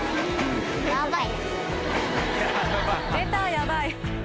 出た「やばい」。